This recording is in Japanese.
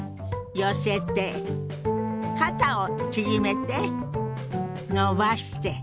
肩を縮めて伸ばして。